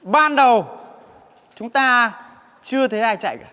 ban đầu chúng ta chưa thấy ai chạy